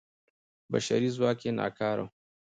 بشري ځواک یې ناکاره و.